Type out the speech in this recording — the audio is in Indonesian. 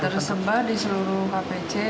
tersebar di seluruh kpc